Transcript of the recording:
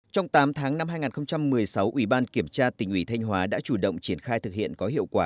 trong tám tháng năm hai nghìn một mươi sáu ủy ban kiểm tra tỉnh ủy thanh hóa đã chủ động triển khai thực hiện có hiệu quả